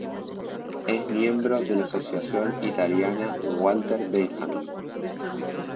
Es miembro de la Asociación Italiana Walter Benjamin.